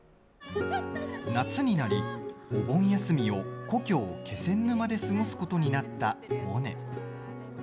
夏になり、お盆休みを故郷・気仙沼で過ごすことになったモネ。